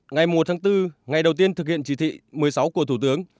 ngày một tháng bốn ngày đầu tiên thực hiện chỉ thị một mươi sáu của thủ tướng